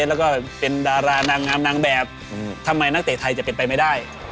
แล้วก็เป็นดารานางงามนางแบบทำไมนักเตะไทยจะเป็นไปไม่ได้